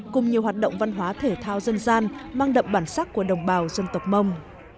cùng nhiều hoạt động văn hóa thể thao dân gian mang đậm bản sắc của đồng bào dân tộc mông